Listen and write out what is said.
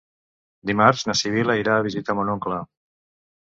Dimarts na Sibil·la irà a visitar mon oncle.